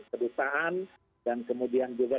kedutaan dan kemudian juga